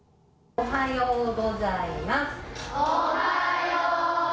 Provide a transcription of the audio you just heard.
おはようございます。